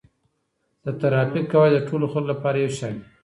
د ترافیک قواعد د ټولو خلکو لپاره یو شان دي.